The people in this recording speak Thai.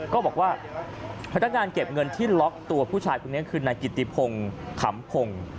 ก็บอกว่าพนักงานเก็บเงินที่ล็อกตัวผู้ชายคนนี้คือนายกิติพงศ์ขำพงศ์